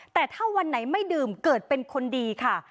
แต่ถ้าวันไหนไม่ดื่มเกิดเป็นคนดีค่ะ